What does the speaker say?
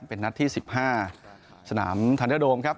เป็นนัดที่๑๕สนามทันเดอร์โดมครับ